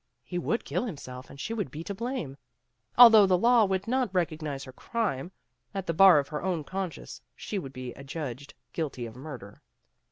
He would kill himself and she would be to blame. Although the law would not recognize her crime, at the bar of her own conscience she would be adjudged guilty of murder.